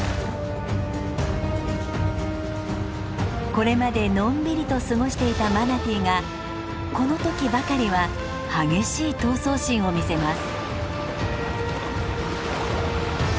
これまでのんびりと過ごしていたマナティーがこの時ばかりは激しい闘争心を見せます。